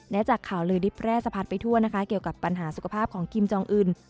และจากข่าวลือริบแร่สะพัดไปทั่วนะคะเกี่ยวกับปัญหาสุขภาพของคิมจองอื่น